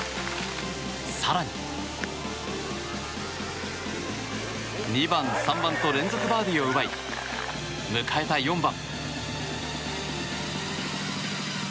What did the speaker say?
更に２番、３番と連続バーディーを奪い迎えた４番。